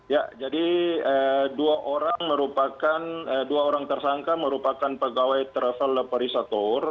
ya jadi dua orang tersangka merupakan pegawai travel leperisator